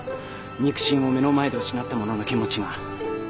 肉親を目の前で失った者の気持ちが。